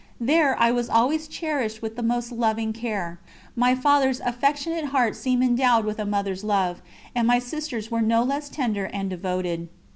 There I was always cherished with the most loving care; my Father's affectionate heart seemed endowed with a mother's love, and my sisters were no less tender and devoted.